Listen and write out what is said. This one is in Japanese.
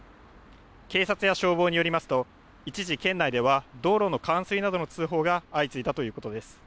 警察や消防によりますと一時県内では道路の冠水などの通報が相次いだということです。